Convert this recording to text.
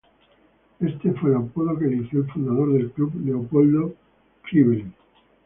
Este fue el apodo que eligió el fundador del club, Leopoldo Crivelli.